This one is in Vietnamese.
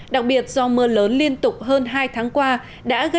đặc biệt do mưa lớn liên tục hơn hai tháng qua